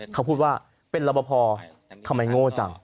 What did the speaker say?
เขาพูดว่าเป็นรบพอทำไมโง่จัง